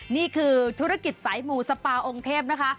นี่คือธุรกิจสายหมู่สปาองค์เทพนะคะ